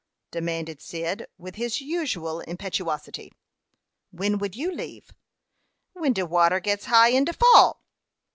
demanded Cyd, with his usual impetuosity. "When would you leave?" "When de water gets high in de fall."